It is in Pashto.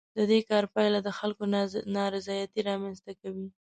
د دې کار پایله د خلکو نارضایتي رامنځ ته کوي.